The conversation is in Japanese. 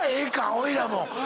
おいらも。